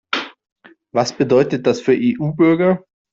Was bedeutet das für EU-Bürger?